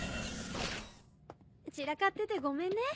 散らかっててごめんね。